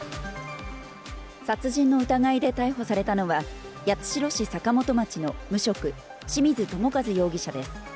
殺人の疑いで逮捕されたのは、八代市坂本町の無職、志水友和容疑者です。